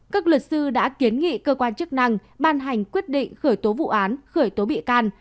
các luật sư đã kiến nghị cơ quan chức năng ban hành quyết định khởi tố vụ án